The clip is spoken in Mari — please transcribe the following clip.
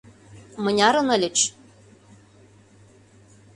Мынярын ыльыч?